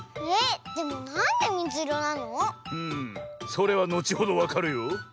それはのちほどわかるよ。